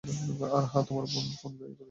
আর হ্যাঁ, তোমার বোন ফোন করেছিল।